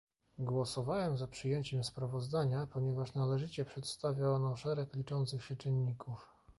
Głosowałem za przyjęciem sprawozdania, ponieważ należycie przedstawia ono szereg liczących się czynników